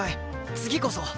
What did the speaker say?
次こそ。